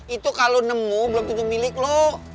itu kalau nemu belum tentu milik loh